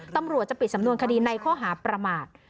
ตำรวจจะปิดสำนวนคดีในข้อหาประมาท